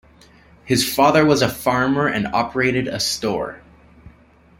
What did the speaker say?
His father was a farmer and operated a store.